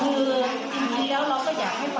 คือเราไม่อยากให้เป็นผิดคนใครต่อต่อคนอื่นต่อไป